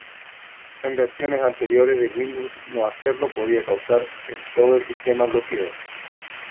En versiones anteriores de Windows no hacerlo podría causar en todo el sistema bloqueos.